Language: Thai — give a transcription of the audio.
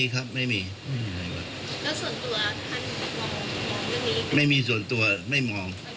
กระทบความมันโขมมันแยก